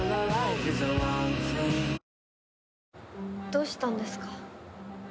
どうしたんですか？